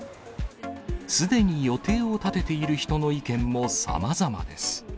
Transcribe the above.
すでに予定を立てている人の意見もさまざまです。